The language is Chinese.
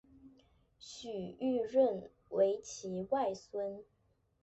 许育瑞为其外孙。